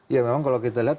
ya memang kalau kita lihat